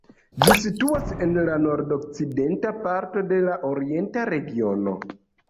Ĝi situas en la nordokcidenta parto de la Orienta Regiono.